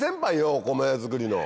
お米作りの。